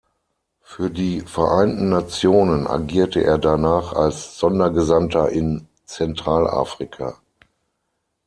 Für die Vereinten Nationen agierte er danach als Sondergesandter in Zentralafrika.